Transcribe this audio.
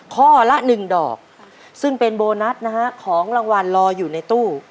ข้อละหนึ่งดอกซึ่งเป็นโบนัสนะฮะของรางวัลรออยู่ในตู้